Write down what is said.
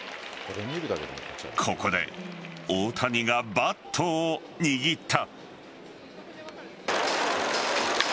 ここで大谷がバットを握った。